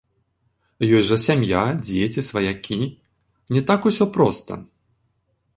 Ёсць жа сям'я, дзеці, сваякі, не так усё проста.